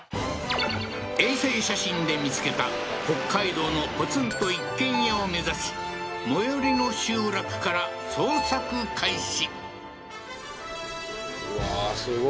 衛星写真で見つけた北海道のポツンと一軒家を目指し最寄りの集落から捜索開始